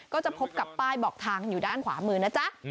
ก็จะพบกับป้ายบอกทางอยู่ด้านขวามือนะจ๊ะ